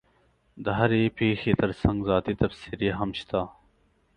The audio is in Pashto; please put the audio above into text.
د هرې پېښې ترڅنګ ذاتي تبصرې هم شته.